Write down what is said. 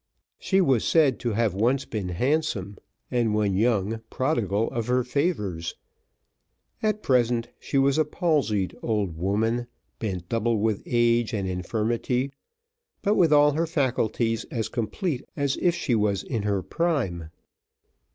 She was said to have once been handsome, and when young, prodigal of her favours; at present she was a palsied old woman, bent double with age and infirmity, but with all her faculties as complete as if she was in her prime.